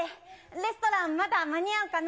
レストラン、まだ間に合うかな。